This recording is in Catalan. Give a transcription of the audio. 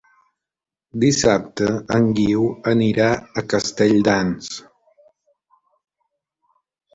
Dissabte en Guiu anirà a Castelldans.